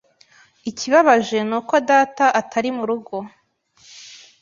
Ikibabaje ni uko data atari mu rugo.